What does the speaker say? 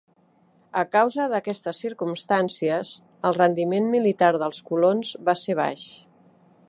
A causa d'aquestes circumstàncies, el rendiment militar dels colons va ser baix.